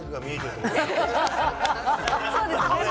そうですね。